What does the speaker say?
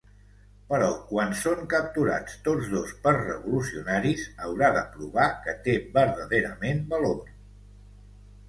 Però quan són capturats tots dos per revolucionaris, haurà de provar que té verdaderament valor.